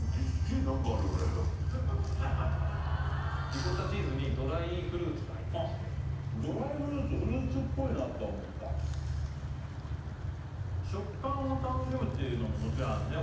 リコッタチーズにドライフルーツが入ってましてドライフルーツフルーツっぽいなとは思ったっていうのももちろんあるね